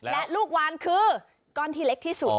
และลูกวานคือก้อนที่เล็กที่สุด